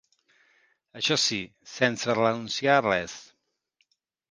Això sí, sense renunciar a res.